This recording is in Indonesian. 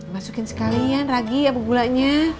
masukin sekalian ragih apa gulanya